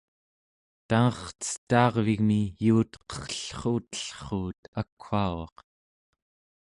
tangercetaarvigmi yuut qerrellrutellruut akwaugaq